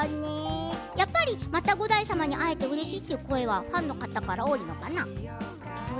やっぱり、また五代様に会えてうれしいという声がファンの方から多いのかな？